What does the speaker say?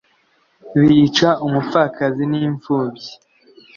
bica umupfakazi n'impfubyi